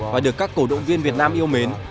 và được các cổ động viên việt nam yêu mến